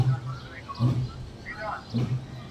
ځيني يې سخت واقعيت ګڼي ډېر,